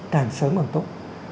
càng sớm càng tốt